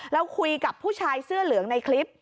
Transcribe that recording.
เราคุยกับผู้ชายเสื้อเหลืองในคลิป